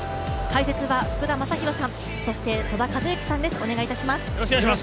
解説は福田正博さん、そして戸田和幸さんです。